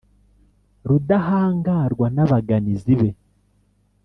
Rudahangarwa n'abaganizi, be